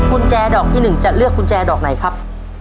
กุญแจดอกที่๑จะเลือกกุญแจดอกไหนครับ